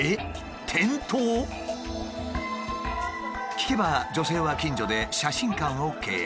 聞けば女性は近所で写真館を経営。